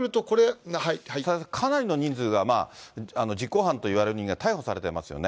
かなりの人数が実行犯といわれる人間が逮捕されてますよね。